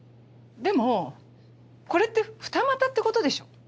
でもこれって二股ってことでしょ？